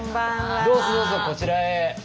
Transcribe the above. どうぞどうぞこちらへ。